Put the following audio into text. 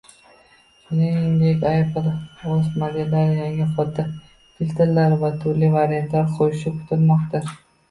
Shuningdek, Apple o‘z modellariga yangi fotofiltrlar va turli variantlar qo‘shishi kutilmoqda